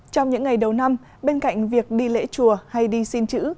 trong những ngày đầu năm bên cạnh việc đi lễ chùa hay đi xin chữ